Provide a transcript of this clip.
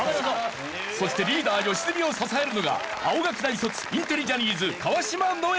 そしてリーダー良純を支えるのが青学大卒インテリジャニーズ川島如恵